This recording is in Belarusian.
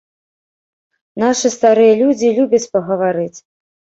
Нашы старыя людзі любяць пагаварыць!